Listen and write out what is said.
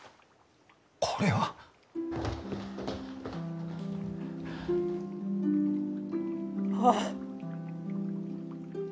これは。ああ。